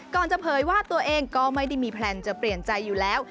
จะเผยว่าตัวเองก็ไม่ได้มีแพลนจะเปลี่ยนใจอยู่แล้ว